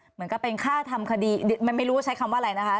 เหมือนกับเป็นค่าทำคดีมันไม่รู้ว่าใช้คำว่าอะไรนะคะ